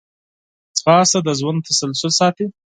ځغاسته د ژوند تسلسل ساتي